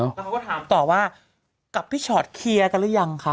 แล้วเขาก็ถามต่อว่ากับพี่ชอตเคลียร์กันหรือยังคะ